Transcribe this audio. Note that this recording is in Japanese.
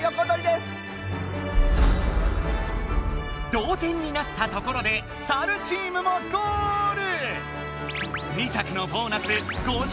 同点になったところでサルチームもゴール！